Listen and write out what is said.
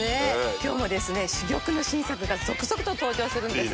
今日もですね珠玉の新作が続々と登場するんですけど。